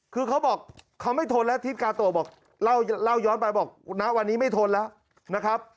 คือเขาบอกเขาไม่ทนแล้วทิศกาโตะบอกเล่าย้อนไปบอกณวันนี้ไม่ทนแล้วนะครับ